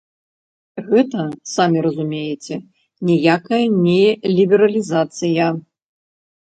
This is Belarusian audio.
Гэта, самі разумееце, ніякая не лібералізацыя.